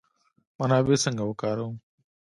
منابع څنګه وکاروو؟